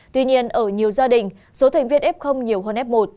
tuy nhiên ở nhiều gia đình số thành viên f nhiều hơn f một